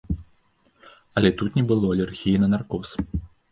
Але тут не было алергіі на наркоз.